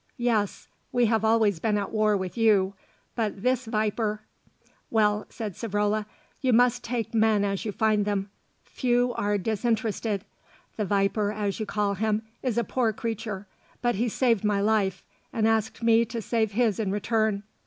"Yes, we have always been at war with you; but this viper " "Well," said Savrola, "you must take men as you find them; few are disinterested. The viper, as you call him, is a poor creature; but he saved my life, and asked me to save his in return.